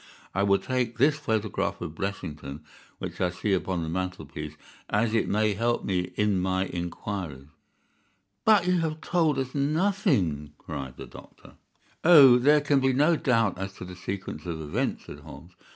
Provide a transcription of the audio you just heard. I will take this photograph of Blessington, which I see upon the mantelpiece, as it may help me in my inquiries." "But you have told us nothing!" cried the doctor. "Oh, there can be no doubt as to the sequence of events," said Holmes.